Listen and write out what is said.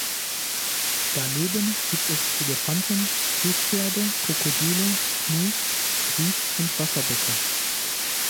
Daneben gibt es Elefanten, Flusspferde, Krokodile, Gnus, Ried- und Wasserböcke.